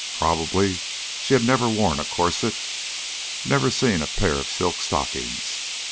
Probably she had never worn a corset, never seen a pair of silk stockings.